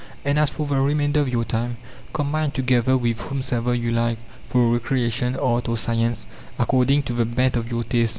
And as for the remainder of your time, combine together with whomsoever you like, for recreation, art, or science, according to the bent of your taste.